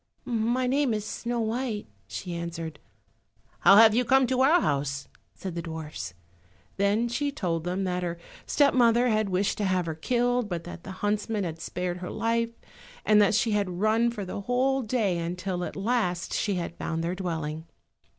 "My name is Snow white," she answered. "How have you come to our house?" said the dwarfs. Then she told them that her step mother had wished to have her killed, but that the huntsman had spared her life, and that she had run for the whole day, until at last she had found their dwelling.